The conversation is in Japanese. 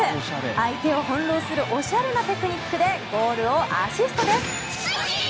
相手を翻ろうするおしゃれなテクニックでゴールをアシストです。